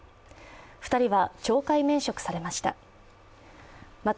２人は懲戒免職されました。